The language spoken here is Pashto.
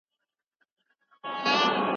که موضوع ګټوره وي نو خلګ به یې په مینه ولولي.